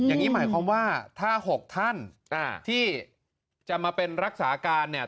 อย่างนี้หมายความว่าถ้า๖ท่านที่จะมาเป็นรักษาการเนี่ย